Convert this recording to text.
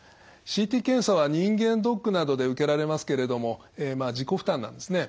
ＣＴ検査は人間ドックなどで受けられますけれども自己負担なんですね。